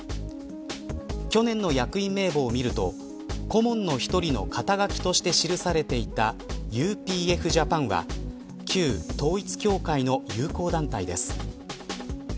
去年の役員名簿を見ると顧問の１人の肩書として記されていたＵＰＦ−Ｊａｐａｎは旧統一教会の友好団体です。